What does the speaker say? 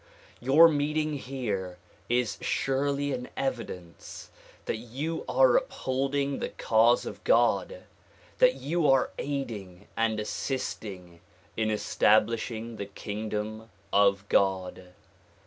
Your meeting here is surely an evidence that you are upliolding the cause of God ; that you are aiding and assisting in establishing the kingdom of God.